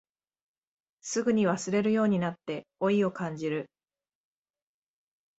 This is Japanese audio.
すぐに忘れるようになって老いを感じる